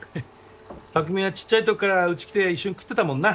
匠はちっちゃいときからうち来て一緒に食ってたもんな。